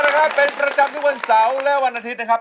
นะครับเป็นประจำทุกวันเสาร์และวันอาทิตย์นะครับ